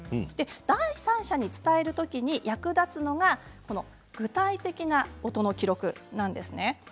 第三者に伝える時に役立つのが具体的な音の記録なんですね。